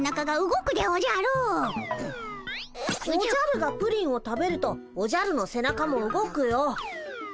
おじゃるがプリンを食べるとおじゃるの背中も動くよ。